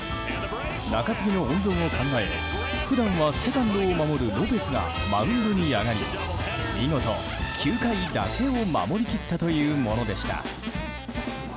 中継ぎの温存も考え普段はセカンドを守るロペスがマウンドに上がり見事、９回だけを守り切ったというものでした。